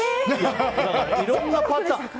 だからいろんなパターン。